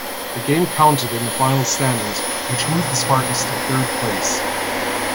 The game counted in the final standings, which moved the Spartans to third place.